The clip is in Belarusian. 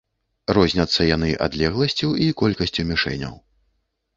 Розняцца яны адлегласцю і колькасцю мішэняў.